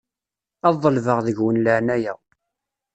Ad ḍelbeɣ deg-wen leεnaya.